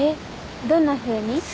どんなふうに？